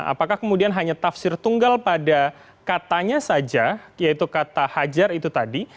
apakah kemudian hanya tafsir tunggal pada katanya saja yaitu kata hajar itu tadi